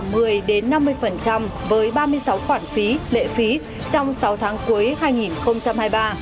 giảm một mươi năm mươi với ba mươi sáu khoản phí lệ phí trong sáu tháng cuối hai nghìn hai mươi ba